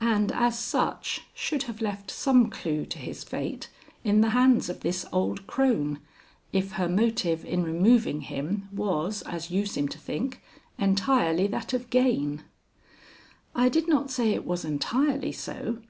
"And as such, should have left some clue to his fate in the hands of this old crone, if her motive in removing him was, as you seem to think, entirely that of gain." "I did not say it was entirely so.